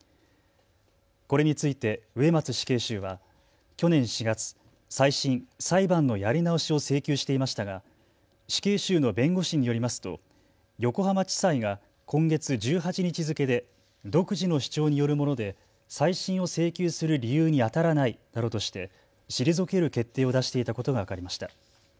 これについて植松死刑囚は去年４月、再審・裁判のやり直しを請求していましたが死刑囚の弁護士によりますと横浜地裁が今月１８日付けで独自の主張によるもので再審を請求する理由にあたらないなどとして退ける決定を出していたことが分かりました。